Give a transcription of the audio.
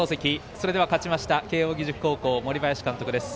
それでは勝ちました慶応義塾高校、森林監督です。